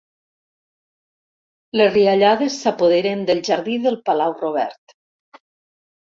Les riallades s'apoderen del jardí del Palau Robert.